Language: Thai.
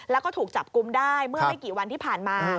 แล้วก็ถูกจับกุมได้เมื่อไม่กี่วันที่ผ่านมา